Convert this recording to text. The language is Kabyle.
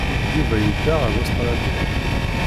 Yuba yedda ar Ustṛalya.